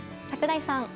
櫻井さん。